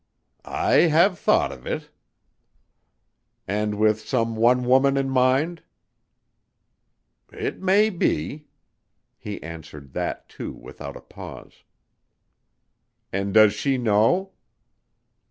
"I have thought of it." "And with some one woman in mind?" "It may be." He answered that, too, without a pause. "And does she know?"